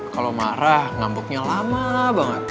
kalau marah ngambuknya lama banget